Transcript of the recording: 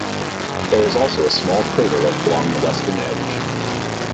There is also a small craterlet along the western edge.